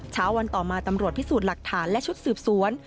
เช้าวันต่อมาตำรวจพิสูจน์หลักฐานและชุดสืบสวน